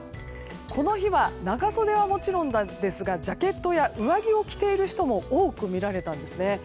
この日は長袖はもちろんですがジャケットや上着を着ている人も多く見られたんですね。